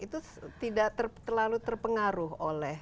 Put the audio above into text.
itu tidak terlalu terpengaruh oleh